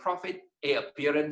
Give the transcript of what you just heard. a adalah kelihatan